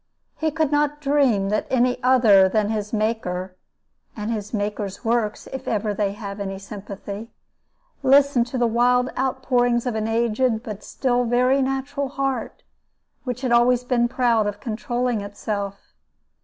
He could not dream that any other than his Maker (and his Maker's works, if ever they have any sympathy) listened to the wild outpourings of an aged but still very natural heart, which had always been proud of controlling itself.